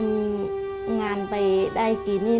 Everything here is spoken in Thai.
ผมฝันว่าอยากให้ยายเดินได้